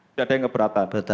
tidak ada yang keberatan